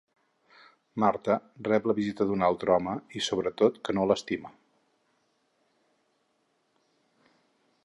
Marta rep la visita d'un altre home i, sobretot, que no l'estima.